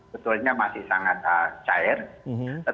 betulnya masih sangat cair